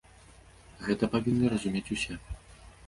Гэта павінны разумець усе.